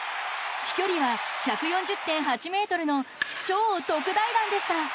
飛距離は１４０．８ｍの超特大弾でした。